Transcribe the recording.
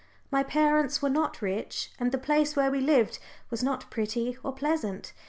My parents were not rich, and the place where we lived was not pretty or pleasant.